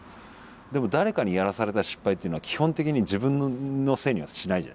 でも誰かにやらされた失敗っていうのは基本的に自分のせいにはしないじゃないですか。